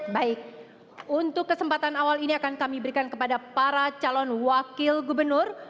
baik untuk kesempatan awal ini akan kami berikan kepada para calon wakil gubernur